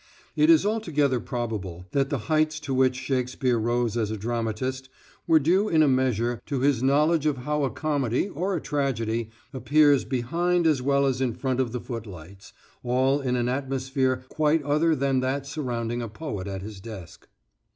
It is altogether probable that the heights to which Shakespeare rose as a dramatist were due in a measure to his knowledge of how a comedy, or a tragedy, appears behind as well as in front of the footlights, all in an atmosphere quite other than that surrounding a poet at his desk.